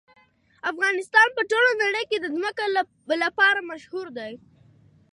افغانستان په ټوله نړۍ کې د ځمکه لپاره مشهور دی.